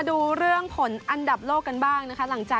ก็จะเมื่อวันนี้ตอนหลังจดเกม